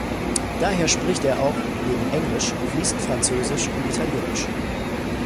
Daher spricht er auch neben Englisch fließend Französisch und Italienisch.